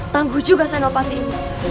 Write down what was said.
tangguh juga senopati ini